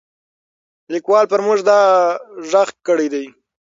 لیکوال پر موږ دا غږ کړی دی.